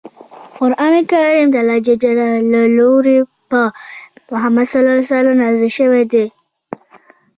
قران کریم دالله ج له لوری په محمد ص نازل شوی دی.